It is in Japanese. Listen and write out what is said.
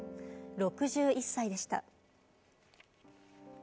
６１歳でした。